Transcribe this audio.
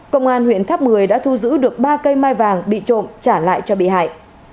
công an huyện tháp một mươi đã thu giữ được ba cây mai vàng bị trộm trả lại cho bị hại